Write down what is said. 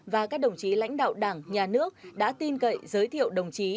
và các đồng chí lãnh đạo đảng nhà nước đã tin cậy giới thiệu đồng chí